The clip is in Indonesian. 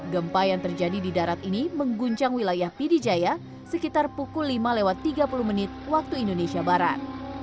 gempa yang terjadi di darat ini mengguncang wilayah pidijaya sekitar pukul lima lewat tiga puluh menit waktu indonesia barat